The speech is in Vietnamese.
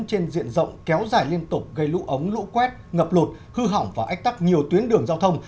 trên diện rộng kéo dài liên tục gây lũ ống lũ quét ngập lụt hư hỏng và ách tắc nhiều tuyến đường giao thông